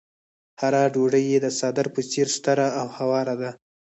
هره ډوډۍ يې د څادر په څېر ستره او هواره ده.